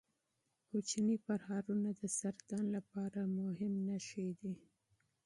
کوچني ټپونه د سرطان لپاره مهم نښې دي.